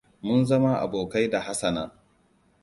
Mun zama abokai da Hassana.